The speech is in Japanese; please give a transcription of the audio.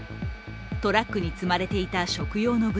トラックに積まれていた食用の豚